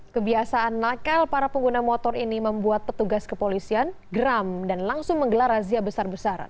kebiasaan nakal para pengguna motor ini membuat petugas kepolisian geram dan langsung menggelar razia besar besaran